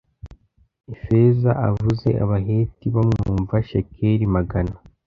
ifeza avuze abaheti bamwumva shekeli magana